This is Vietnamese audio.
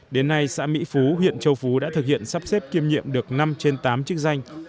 đến nay xã mỹ phú huyện châu phú đã thực hiện sắp xếp kiêm nhiệm được năm trên tám chức danh